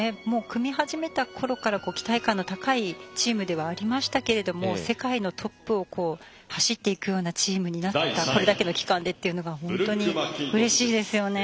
組み始めたころから期待感の高いチームではありましたけれども世界のトップを走っていくようなチームになっていったこれだけの期間でというのが本当にうれしいですよね。